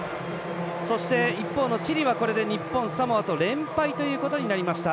そして、一方のチリは日本、サモアと連敗ということになりました。